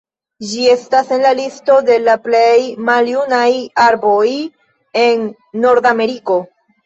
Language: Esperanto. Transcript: Ĝi estas en la listo de la plej maljunaj arboj en Nordameriko.